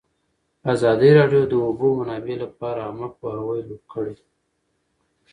ازادي راډیو د د اوبو منابع لپاره عامه پوهاوي لوړ کړی.